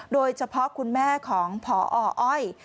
โดยเฉพาะคุณแม่ของผออ้อย